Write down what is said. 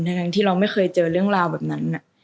ทั้งที่เราไม่เคยเจอเรื่องราวแบบนั้น